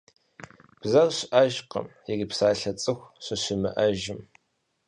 Бзэр щыӀэжкъым, ирипсалъэ цӀыху щыщымыӀэжым.